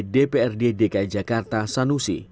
dprd dki jakarta sanusi